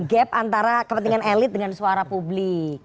gap antara kepentingan elit dengan suara publik